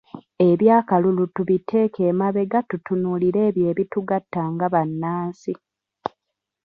Eby'akalulu tubiteeke emabega tutunuulire ebyo ebitugatta nga bannansi.